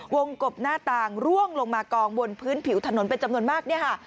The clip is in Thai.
กบหน้าต่างร่วงลงมากองบนพื้นผิวถนนเป็นจำนวนมากเนี่ยค่ะ